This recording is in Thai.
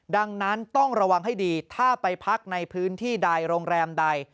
ดังนั้นต้องระวังให้ดีถ้าไปพักในพื้นที่ใดโรงแรมใด